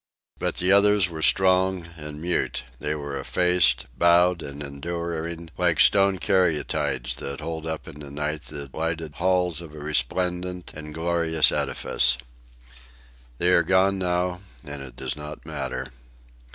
But the others were strong and mute; they were effaced, bowed and enduring, like stone caryatides that hold up in the night the lighted halls of a resplendent and glorious edifice. They are gone now and it does not matter.